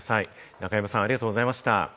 仲山さん、ありがとうございました。